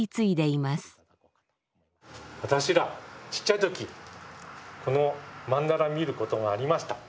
私らちっちゃい時この曼荼羅見ることがありました。